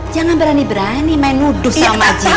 jangan berani berani main nuduh sama jika